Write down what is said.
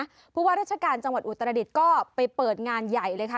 เพราะว่าราชการจังหวัดอุตรดิษฐ์ก็ไปเปิดงานใหญ่เลยค่ะ